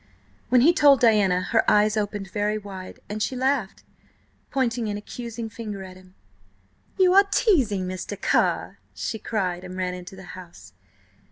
When he told Diana her eyes opened very wide and she laughed, pointing an accusing finger at him. "You are teasing, Mr. Carr!" she cried, and ran into the house.